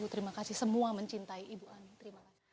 terima kasih semua mencintai ibu ani